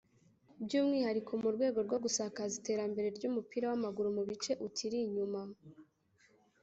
by’umwihariko mu rwego rwo gusakaza iterambere ry’umupira w’amaguru mu bice ukiri inyuma